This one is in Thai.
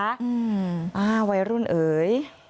อ่าวัยรุ่นเอ๋ย